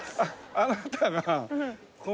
あなたが。